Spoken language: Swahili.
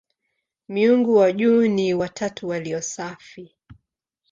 Miungu wa juu ni "watatu walio safi".